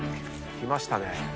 来ましたね。